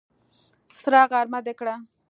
سره غرمه دې کړه!